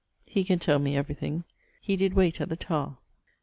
He can tell me everything. He did wayte at the Tower.